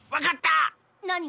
何が？